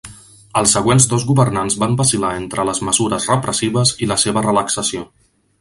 Els següents dos governants van vacil·lar entre les mesures repressives i la seva relaxació.